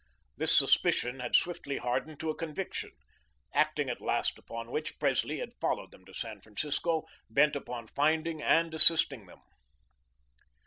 This suspicion had swiftly hardened to a conviction, acting at last upon which Presley had followed them to San Francisco, bent upon finding and assisting them.